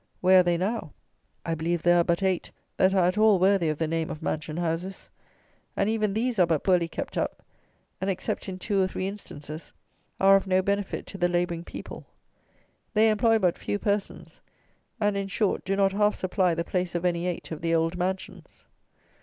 Where are they now? I believe there are but eight that are at all worthy of the name of mansion houses; and even these are but poorly kept up, and, except in two or three instances, are of no benefit to the labouring people; they employ but few persons; and, in short, do not half supply the place of any eight of the old mansions.